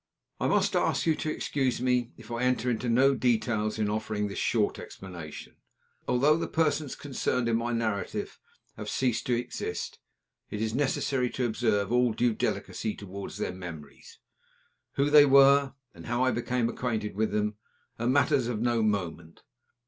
I must ask you to excuse me if I enter into no details in offering this short explanation. Although the persons concerned in my narrative have ceased to exist, it is necessary to observe all due delicacy toward their memories. Who they were, and how I became acquainted with them, are matters of no moment.